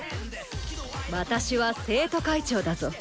私は生徒会長だぞ。